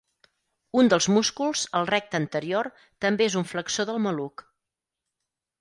Un dels músculs, el recte anterior, també és un flexor del maluc.